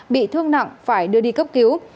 bị thương nặng phải đưa đi cấp cứu